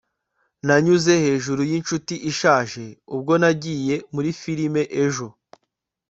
nanyuze hejuru yinshuti ishaje ubwo nagiye muri firime ejo